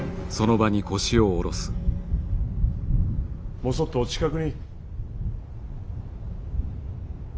もそっとお近くに。